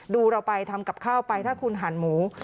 ดูเราไปทำกับข้าวไปถ้าคุณหั่นหมู